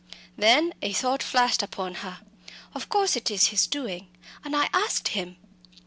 Then a thought flashed upon her. "Of course it is his doing and I asked him!"